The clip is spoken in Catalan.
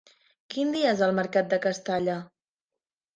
Quin dia és el mercat de Castalla?